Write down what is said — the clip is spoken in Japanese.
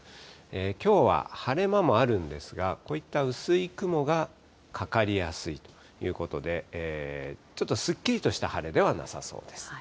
きょうは晴れ間もあるんですが、こういった薄い雲がかかりやすいということで、ちょっとすっきりとした晴れではなさそうです。